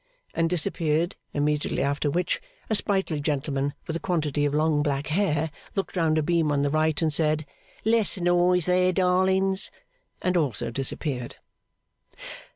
and disappeared. Immediately after which, a sprightly gentleman with a quantity of long black hair looked round a beam on the right, and said, 'Less noise there, darlings!' and also disappeared.